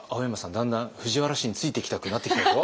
だんだん藤原氏についていきたくなってきたでしょ。